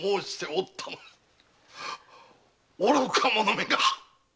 愚か者めが！